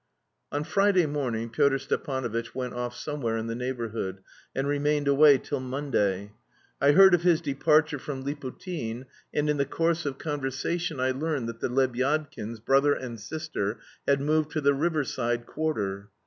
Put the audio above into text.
On Friday morning, Pyotr Stepanovitch went off somewhere in the neighbourhood, and remained away till Monday. I heard of his departure from Liputin, and in the course of conversation I learned that the Lebyadkins, brother and sister, had moved to the riverside quarter.